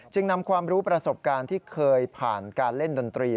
นำความรู้ประสบการณ์ที่เคยผ่านการเล่นดนตรี